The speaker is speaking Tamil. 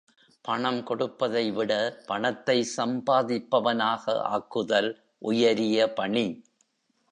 பணம் கொடுப்பதைவிட, பணத்தை சம்பாதிப்பவனாக ஆக்குதல் உயரிய பணி.